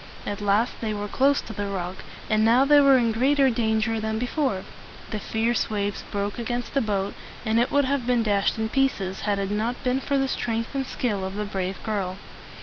At last they were close to the rock, and now they were in greater danger than before. The fierce waves broke against the boat, and it would have been dashed in pieces, had it not been for the strength and skill of the brave girl.